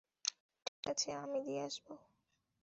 ঠিক আছে, আমি দিয়ে আসবো।